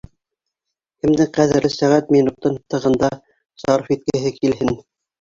Кемдең ҡәҙерле сәғәт-минутын тығында сарыф иткеһе килһен?